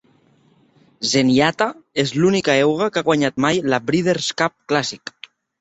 Zenyatta és l'única euga que ha guanyat mai la Breeders' Cup Classic.